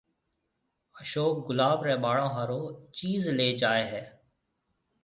اشوڪ گلاب رَي ٻاݪو ھارو چيز ليَ جائيَ ھيََََ